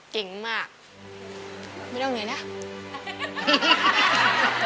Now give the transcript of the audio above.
เก่งมากไม่ต้องเหนื่อยนะ